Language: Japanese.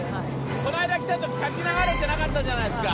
この間来たとき、滝流れてなかったじゃないですか。